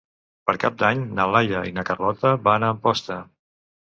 Per Cap d'Any na Laia i na Carlota van a Amposta.